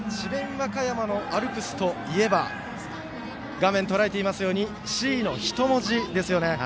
和歌山のアルプスといえば画面とらえていますように「Ｃ」の人文字ですね。